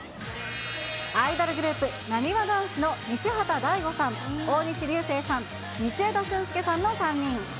アイドルグループ、なにわ男子の西畑大吾さん、大西りゅうせいさん、道枝駿佑さんの３人。